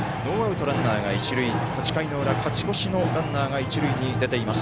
８回の裏、勝ち越しのランナーが一塁に出ています。